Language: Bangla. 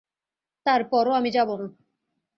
তারপরও আমি যাবো না।